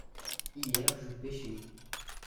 hier je pêchais.